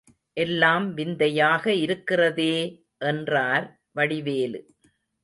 எல்லாம் விந்தையாக இருக்கிறதே! என்றார் வடிவேலு.